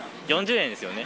４０円ですよね。